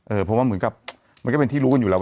เพราะว่าเหมือนกับมันก็เป็นที่รู้กันอยู่แล้วว่า